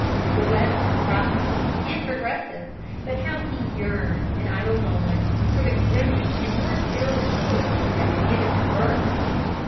The West was prosperous and progressive, but how he yearned, in idle moments, for the grimmer and more sterile soil that had given him birth!